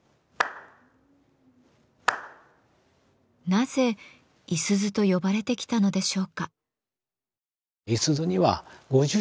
なぜ五十鈴と呼ばれてきたのでしょうか。